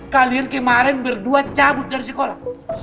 kalian kemarin berdua cabut dari sekolah